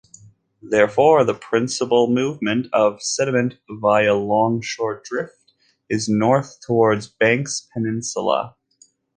Therefore, the principal movement of sediment via longshore drift is north towards Banks Peninsula.